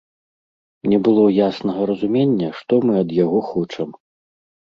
Не было яснага разумення, што мы ад яго хочам.